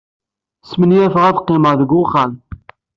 Smenyafeɣ ad qqimeɣ deg wexxam.